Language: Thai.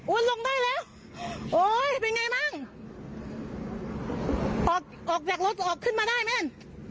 อุ้ยลงได้แล้วอุ้ยเป็นไงมั้งออกออกแบกรถออกขึ้นมาได้มั้ย